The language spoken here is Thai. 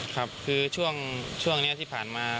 ครับคือช่วงนี้ที่ผ่านมา